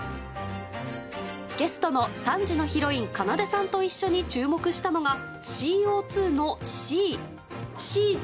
ゲストの３時のヒロインかなでさんと一緒に注目したのがＣＯ２の「Ｃ」。